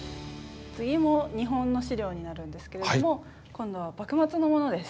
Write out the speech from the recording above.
次も日本の資料になるんですけれども今度は幕末のものです。